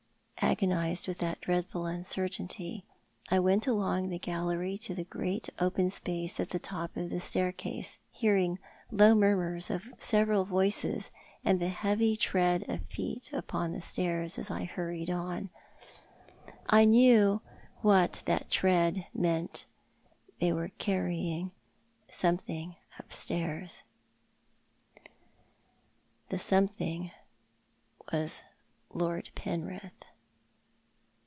Agonised with that dreadful uncertainty, I went along the gallery to tlic great open space at the top of the staircase, hearing low murmurs of several voices and the heavy tread ot feet upon the stairs, as I hurried on. I knew what that tread meant— they were carrying something upstairs. The something was Lord Penrith.